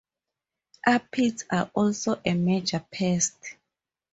Aphids are also a major pest.